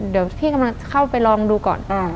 เดี๋ยวพี่กำลังเข้าไปลองดูก่อน